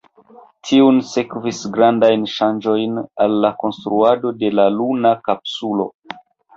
Tiun sekvis grandajn ŝanĝojn al la konstruado de la luna kapsulo.